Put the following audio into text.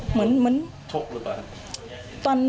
เหมือนชกหรือเปล่าครับ